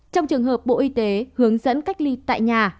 trong trường hợp bộ y tế hướng dẫn cách ly tại nhà